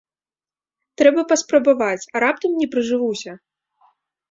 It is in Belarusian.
Трэба паспрабаваць, а раптам не прыжывуся.